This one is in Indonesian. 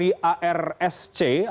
ini juga dengan g dua